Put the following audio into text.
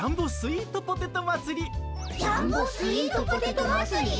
ジャンボスイートポテトまつり！？